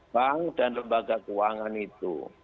bank dan lembaga keuangan itu